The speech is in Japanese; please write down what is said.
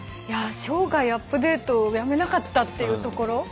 いや生涯アップデートをやめなかったっていうところ。